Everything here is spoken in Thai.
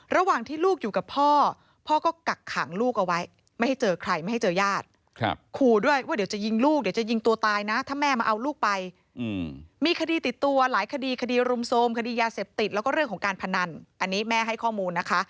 ระหว่างที่ลูกอยู่กับพ่อพ่อก็กักขังลูกเอาไว้ไม่ให้เจอใครไม่ให้เจอญาติขู่ด้วยว่าเดี๋ยวจะยิงลูกเดี๋ยวจะยิงตัวตายนะถ้าแม่มาเอาลูกไปมีคดีติดตัวหลายคดีคดีรุมโทรมคดียาเสพติดแล้วก็เรื่องของการพนันอันนี้แม่ให้ข้อมูลนะคะ